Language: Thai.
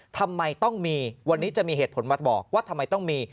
ทำไมต้องมีวันนี้จะมีเหตุผลมาบอกว่าทำไมต้องมี